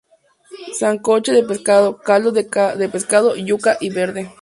Sancocho de pescado: Caldo de pescado, yuca y verde.